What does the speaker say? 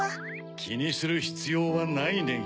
きにするひつようはないネギ。